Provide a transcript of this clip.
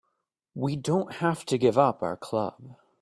We don't have to give up our club.